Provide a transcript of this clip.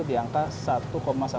di angka satu satu